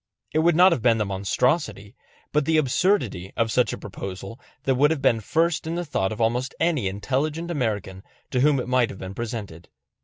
It would not have been the monstrosity, but the absurdity, of such a proposal, that would have been first in the thought of almost any intelligent American to whom it might have been presented.